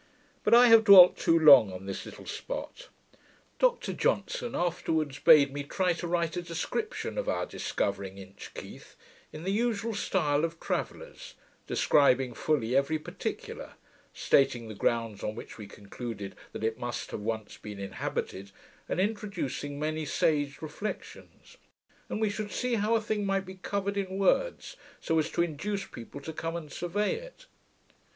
But I have dwelt too long on this little spot. Dr Johnson afterwards bade me try to write a description of our discovering Inch Keith, in the usual style of travellers, describing fully every particular; stating the grounds on which we concluded that it must have once been inhabited, and introducing many sage reflections; and we should see how a thing might be covered in words, so as to induce people to come and survey it.